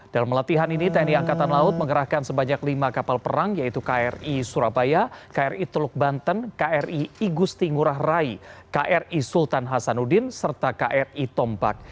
dalam latihan ini tni angkatan laut mengerahkan sebanyak lima kapal perang yaitu kri surabaya kri teluk banten kri igusti ngurah rai kri sultan hasanuddin serta kri tombak